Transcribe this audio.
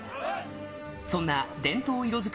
そんな伝統色づく